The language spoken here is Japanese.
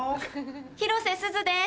広瀬すずです。